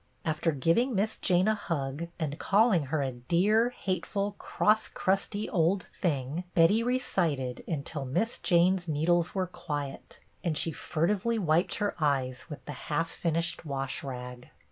After giving Miss Jane a hug, and calling her a "dear, hateful, crosscrusty old thing," Betty recited until Miss Jane's needles were quiet, and she furtively wiped her eyes with the half finished wash rag.